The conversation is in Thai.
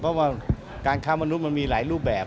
เพราะว่าการค้ามนุษย์มันมีหลายรูปแบบ